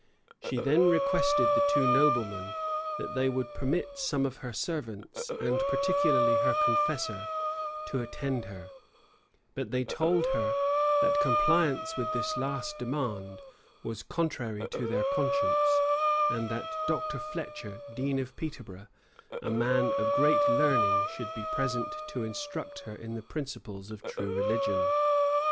[] She then requested the two noblemen, that they would permit some of her servants, and particularly her confessor, to attend her; but they told her, that compliance with this last demand was contrary to their conscience; [] and that Dr. Fletcher, dean of Peterborough, a man of great learning, should be present to instruct her in the principles of true religion.